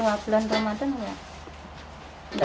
kalau bulan ramadan ya